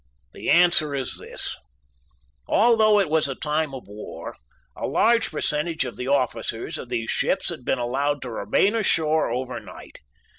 The answer is this: Although it was a time of war, a large percentage of the officers of these ships had been allowed to remain ashore over night.